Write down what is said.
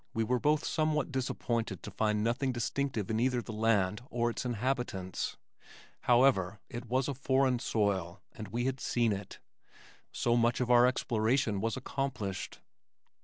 We were both somewhat disappointed to find nothing distinctive in either the land or its inhabitants. However, it was a foreign soil and we had seen it. So much of our exploration was accomplished.